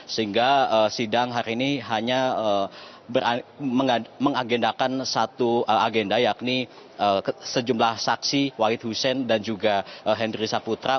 sehingga sidang hari ini hanya mengagendakan satu agenda yakni sejumlah saksi wahid hussein dan juga henry saputra